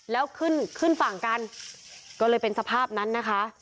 แล้วขึ้นขึ้นฝั่งกันก็เลยเป็นสภาพนั้นนะคะ